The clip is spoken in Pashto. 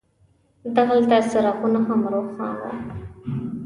دغلته څراغونه هم روښان وو.